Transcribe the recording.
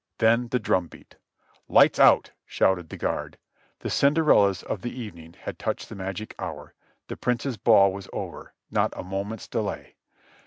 Then the drum beat; "Lights out!" shouted the guard. The Cinderellas of the evening had touched the magic hour, the Prince's ball was over, not a moment's delay.